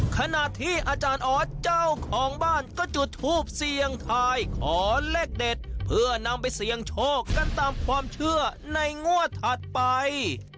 ขณะที่อาจารย์ออสเจ้าของบ้านก็จุดทูปเสี่ยงทายขอเลขเด็ดเพื่อนำไปเสี่ยงโชคกันตามความเชื่อในงวดถัดไป